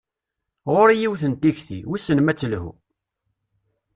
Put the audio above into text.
Ɣur-i yiwet n tikti, wissen ma ad telhu.